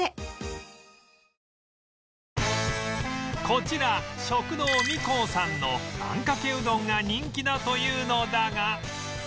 こちら食堂味香さんのあんかけうどんが人気だというのだが